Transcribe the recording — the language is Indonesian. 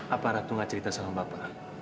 apa ratu gak cerita sama bapak